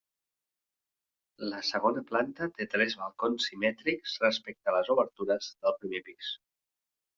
La segona planta té tres balcons simètrics respecte a les obertures del primer pis.